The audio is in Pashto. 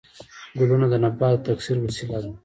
ګلونه د نبات د تکثیر وسیله ده